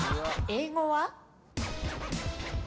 英語は？